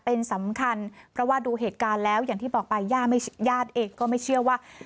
เป็นสำคัญเพราะว่าดูเหตุการณ์แล้วอย่างที่บอกไปญาติเองก็ไม่เชื่อว่า